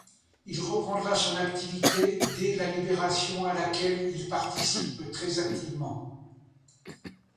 Il reprendra son activité dès la libération à laquelle il participe très activement.